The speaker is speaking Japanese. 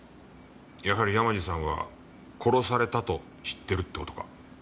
やはり山路さんは殺されたと知ってるって事か。